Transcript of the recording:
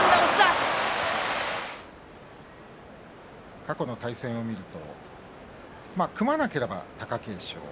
過去の対戦を見ると組まなければ貴景勝。